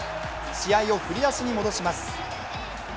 試合を振り出しに戻します。